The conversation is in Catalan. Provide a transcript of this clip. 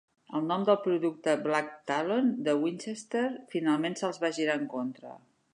El nom del producte "Black Talon", de Winchester, finalment se'ls va girar en contra.